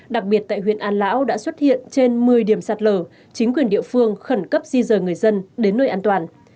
đặc biệt tại huyện an lão đã xuất hiện trên một mươi điểm sạt lở chính quyền địa phương khẩn cấp di rời người dân đến nơi an toàn